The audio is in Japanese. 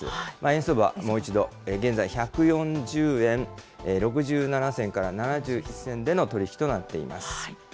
円相場、もう一度、現在、１４０円６７銭から７１銭での取り引きとなっています。